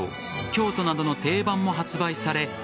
京都などの定番も発売され